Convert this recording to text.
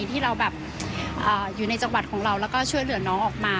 ที่เราแบบอยู่ในจังหวัดของเราแล้วก็ช่วยเหลือน้องออกมา